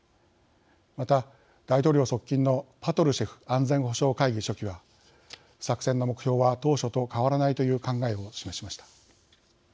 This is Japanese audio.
また、大統領側近のパトルシェフ安全保障会議書記は作戦の目標は当初と変わらないという考えを示しました。